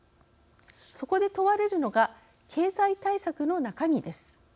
そこで問われるのが経済対策の中身です。